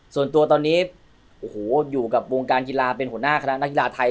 ส่วนตัวตอนนี้โอ้โหอยู่กับวงการกีฬาเป็นหัวหน้าคณะนักกีฬาไทย